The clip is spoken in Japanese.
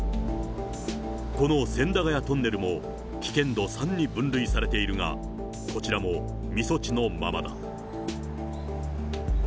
この千駄ヶ谷トンネルも危険度３に分類されているが、こちらも未措置のままだ。